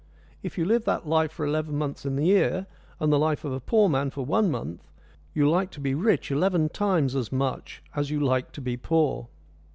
If you live that life for eleven months in the year, and the life of a poor man for one month, you like to be rich eleven times as much as you like to be poor."